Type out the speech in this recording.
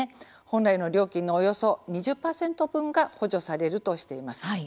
本来の料金のおよそ２０％分が補助されるとしています。